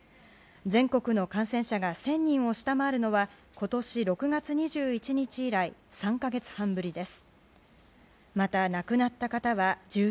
全国の感染者が１０００人を下回るのは今年６月２１日以来３か月半ぶりです。